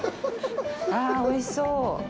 あ、おいしそう。